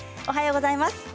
おはようございます。